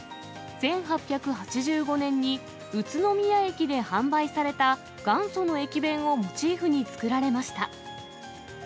１８８５年に宇都宮駅で販売された、元祖の駅弁をモチーフに作られました。